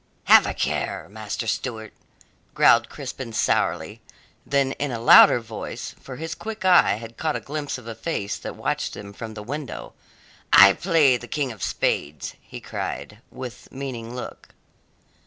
"Have a care, Master Stewart," growled Crispin sourly, then in a louder voice for his quick eye had caught a glimpse of a face that watched them from the window "I play the King of Spades!" he cried, with meaning look.